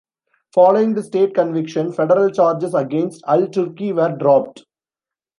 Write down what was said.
Following the state conviction, federal charges against Al-Turki were dropped.